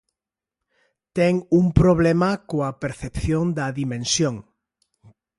Ten un problema coa percepción da dimensión.